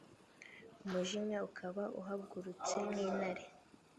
umujinya ukaba uhagurutse nk’intare.